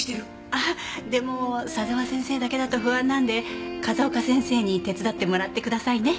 あっでも佐沢先生だけだと不安なんで風丘先生に手伝ってもらってくださいね。